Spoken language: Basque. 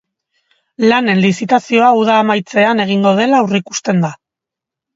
Lanen lizitazioa uda amaitzean egingo dela aurreikusten da.